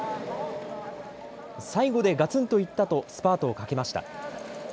最後でがつんといったと、スパートをかけました。